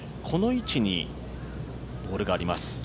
この位置にボールがあります。